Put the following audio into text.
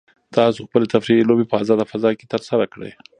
تاسو خپلې تفریحي لوبې په ازاده فضا کې ترسره کړئ.